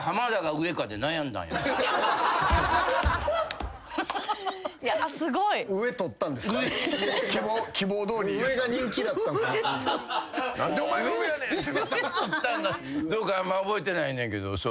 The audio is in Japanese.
上取ったんかどうかあんま覚えてないねんけど。